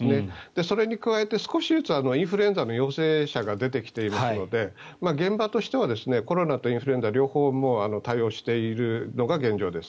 それに加えて少しずつインフルエンザの陽性者が出てきているので現場としてはコロナとインフルエンザ両方対応しているのが現状です。